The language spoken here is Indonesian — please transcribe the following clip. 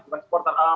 juga supporter apa